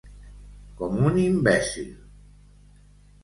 Com un imbècil.